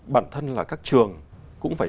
bản thân các trường cũng phải